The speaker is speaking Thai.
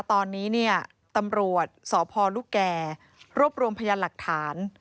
ตอนนี้เนี่ยตำรวจสพลูกแก่รวบรวมพยานหลักฐาน